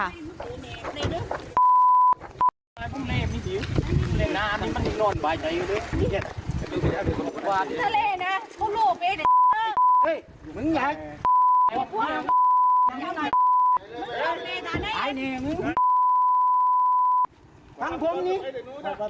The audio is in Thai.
อันนี้มันมีนอนไว้อยู่ด้วยมีเกลียด